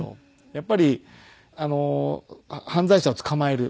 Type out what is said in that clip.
やっぱり犯罪者を捕まえる。